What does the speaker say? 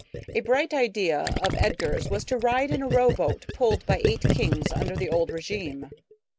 ] A bright idea of Edgar's was to ride in a row boat pulled by eight kings under the old régime.